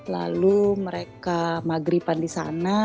lalu mereka maghripan di sana